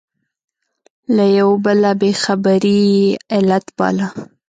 له یوه بله بې خبري یې علت باله.